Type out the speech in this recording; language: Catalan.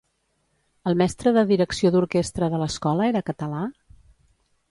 El mestre de direcció d'orquestra de l'escola era català?